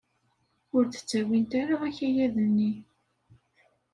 Ur d-ttawint ara akayad-nni.